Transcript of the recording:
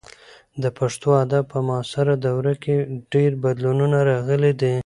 د پښتو ادب په معاصره دوره کې ډېر بدلونونه راغلي دي.